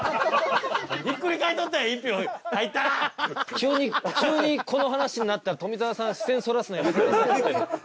急に急にこの話になったら富澤さん視線そらすのやめてくださいよ。